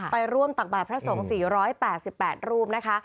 ไปร่วมตักบ่ายพระสงฆ์สี่ร้อยแปดสิบแปดรูปนะคะ